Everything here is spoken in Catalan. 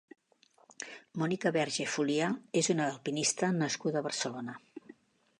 Mònica Verge Folia és una alpinista nascuda a Barcelona.